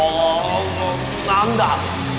何だ？